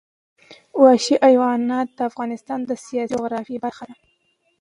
وحشي حیوانات د افغانستان د سیاسي جغرافیه برخه ده.